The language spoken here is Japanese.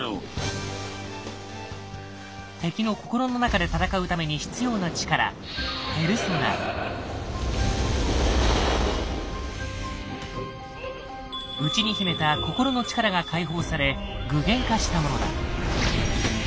敵の心の中で戦うために必要な力内に秘めた心の力が解放され具現化したものだ。